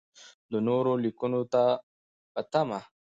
د نورو لیکنو په تمه.